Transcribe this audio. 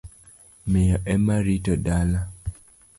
Miyo ema rito dala.